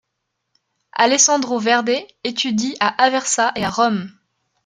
Alessandro Verde étudie à Aversa et à Rome.